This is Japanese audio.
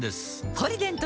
「ポリデント」